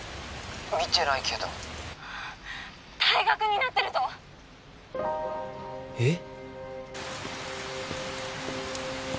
☎見てないけど☎退学になってるぞえっ？